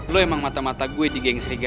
lo emang mata mata gue di geng seriga